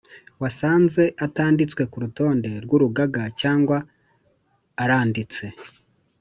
Wasanze atanditswe ku rutonde rw’Urugaga cyangwa aranditse